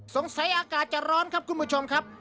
อากาศจะร้อนครับคุณผู้ชมครับ